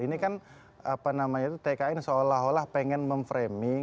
ini kan apa namanya itu tkn seolah olah pengen memframing